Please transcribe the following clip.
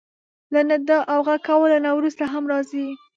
له ندا او غږ کولو نه وروسته هم راځي.